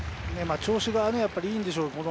調子がいいんでしょう。